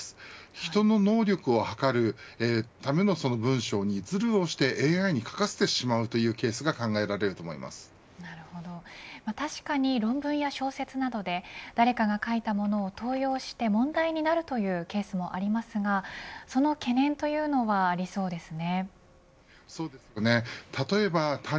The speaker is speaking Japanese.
人の能力を測るための文章にずるをして、ＡＩに書かせてしまうケースが確かに論文や小説などで誰かが書いたものを盗用して問題になるというケースもありますがその懸念というのはありそうですよね。